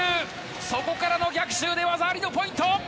そこからの逆襲で技ありのポイント！